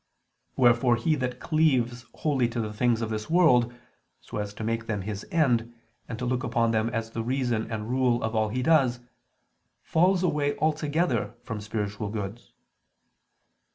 Wherefore he that cleaves wholly to the things of this world, so as to make them his end, and to look upon them as the reason and rule of all he does, falls away altogether from spiritual goods.